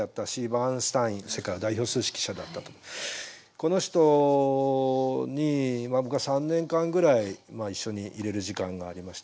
この人に僕は３年間ぐらい一緒にいれる時間がありました。